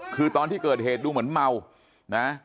คือตอนที่เกิดเหตุดูเหมือนเมานะ